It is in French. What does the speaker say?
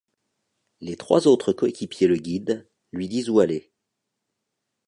Les trois autres coéquipiers le guident, lui disent où aller.